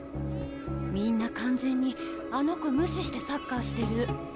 みんな完全にあの子無視してサッカーしてる。